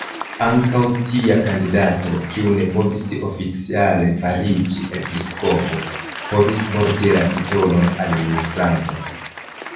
Ankaŭ tia kandidato, kiu ne povis oficiale fariĝi episkopo, povis porti la titolon "administranto".